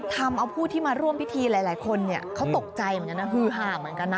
ทำเอาผู้ที่มาร่วมพิธีหลายคนเขาตกใจเหมือนกันนะฮือหาเหมือนกันนะ